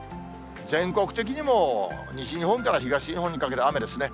全国的にも西日本から東日本にかけて雨ですね。